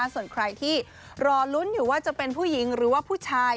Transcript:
ส่วนใครที่รอลุ้นอยู่ว่าจะเป็นผู้หญิงหรือว่าผู้ชาย